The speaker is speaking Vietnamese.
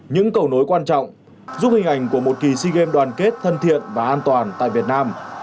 những cầu nối quan trọng giúp hình ảnh của một kỳ sea games đoàn kết thân thiện và an toàn tại việt nam